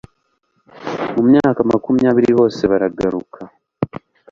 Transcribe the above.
Mu myaka makumyabiri bose baragaruka